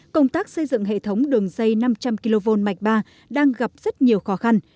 công tác xây dựng hệ thống đường dây năm trăm linh kv mạch ba đang gặp rất nhiều khó khăn